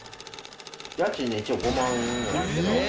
家賃ね一応５万円ぐらいなんですけど。